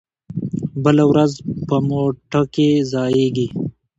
بله ورځ په مو ټه کې ځائېږي